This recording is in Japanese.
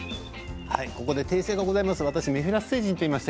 ここで訂正がございます。